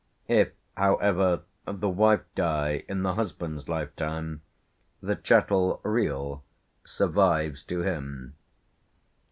If, however, the wife die in the husband's lifetime, the chattel real survives to him.